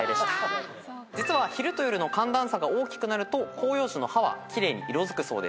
実は昼と夜の寒暖差が大きくなると広葉樹の葉は奇麗に色づくそうです。